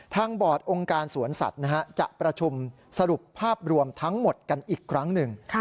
บอร์ดองค์การสวนสัตว์จะประชุมสรุปภาพรวมทั้งหมดกันอีกครั้งหนึ่ง